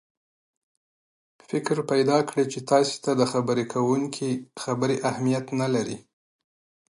فکر پیدا کړي چې تاسې ته د خبرې کوونکي خبرې اهمیت نه لري.